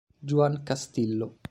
Juan Castillo